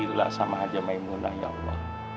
bila sama aja maimunah ya allah